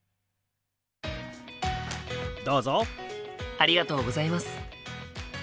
ありがとうございます。